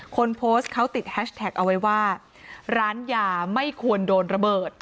คนโพสต์เขาติดแฮชแท็กเอาไว้ว่าร้านยาไม่ควรโดนระเบิด